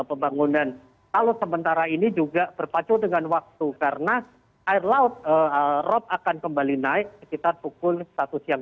pembangunan kalau sementara ini juga berpacu dengan waktu karena air laut rob akan kembali naik sekitar pukul satu siang